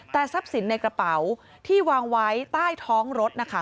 แต่ทรัพย์สินในกระเป๋าที่วางไว้ใต้ท้องรถนะคะ